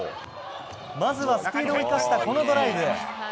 まずはスピードを生かしたこのドライブ。